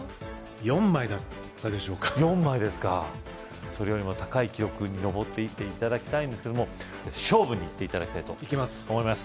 ４枚だったでしょうか４枚ですかそれよりも高い記録に上っていって頂きたいんですが勝負にいって頂きたいと思います